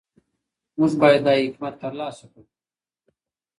موږ باید دا حکمت ترلاسه کړو.